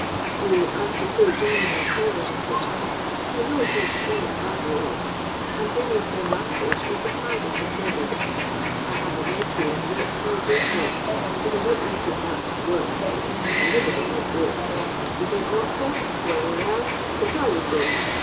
0, as to poor journeymen tailors and sich like, I knows they 're stunning badly off, and many of their masters is the hardest of beg gars. I have a nephew as works for a Jew slop, bttt I don't reckon that tcork ; anybody might do it You think not, sirl Werry well, it's all tlie nme.